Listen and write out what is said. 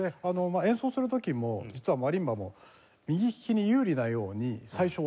演奏する時も実はマリンバも右ききに有利なように最初教えられるんですよ。